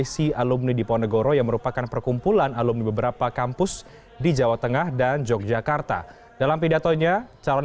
saya kenal mbak ratna ini lama